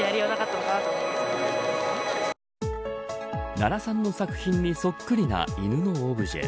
奈良さんの作品にそっくりな犬のオブジェ